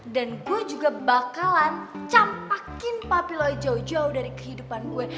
dan gue bakalan campakin papi lo jauh jauh dari kehidupan gue